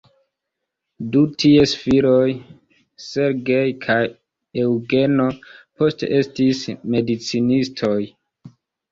Du ties filoj "Sergej" kaj "Eŭgeno" poste estis medicinistoj.